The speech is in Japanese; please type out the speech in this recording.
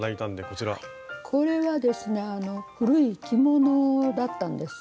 これはですね古い着物だったんです。